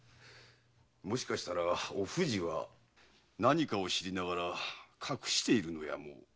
もしかしたらお藤は何かを知りながら隠しているのやも。